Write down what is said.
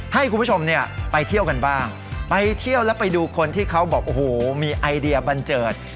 ให้คุณผู้ชมเนี่ยไปเที่ยวกันบ้างไปเที่ยวแล้วไปดูคนที่เขาบอกโอ้โหมีไอเดียบันเจิด